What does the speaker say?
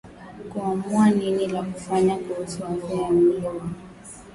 kuamua nini la kufanya kuhusu afya na mwili wao